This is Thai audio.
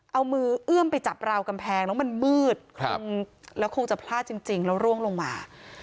เอามือเอื้อมไปจับราวกำแพงแล้วมันมืดแล้วคงจะพลาดจริงแล้วร่วงลงมา